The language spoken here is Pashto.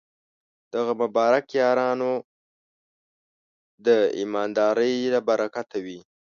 د هغه مبارک یارانو د ایماندارۍ له برکته وې.